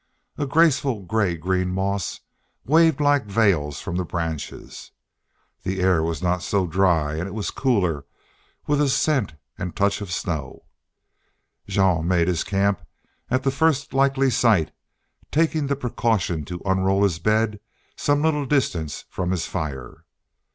A graceful gray green moss, waved like veils from the branches. The air was not so dry and it was colder, with a scent and touch of snow. Jean made camp at the first likely site, taking the precaution to unroll his bed some little distance from his fire.